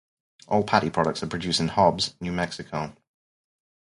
All patty products are produced in Hobbs, New Mexico.